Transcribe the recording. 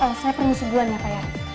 pak saya permisi gue nih pak ya